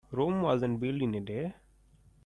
Rome wasn't built in a day.